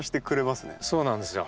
そうなんですよ。